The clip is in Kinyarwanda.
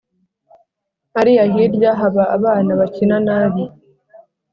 Hariya hirya haba abana bakina nabi